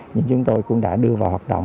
nhưng chúng tôi cũng đã đưa vào hoạt động